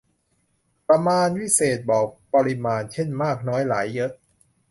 ประมาณวิเศษณ์ บอกปริมาณ เช่น มาก น้อย หลาย เยอะ